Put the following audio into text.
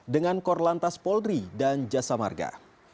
dengan korlantas polri dan jasa marga